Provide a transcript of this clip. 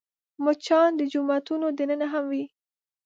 مچان د جوماتونو دننه هم وي